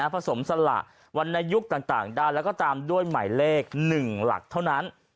สละวรรณยุคต่างได้แล้วก็ตามด้วยหมายเลข๑หลักเท่านั้น